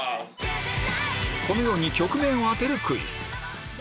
このように曲名を当てるクイズ